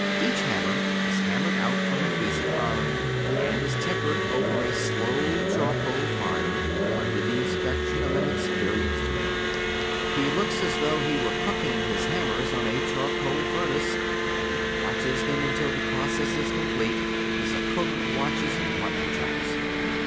Each hammer is hammered out from a piece of iron, and is tempered over a slow charcoal fire, under the inspection of an experienced man. He looks as though he were cooking his hammers on a charcoal furnace, and he watches them until the process is complete, as a cook watches mutton chops.